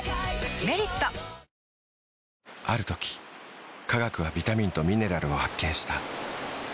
「メリット」ある時科学はビタミンとミネラルを発見した。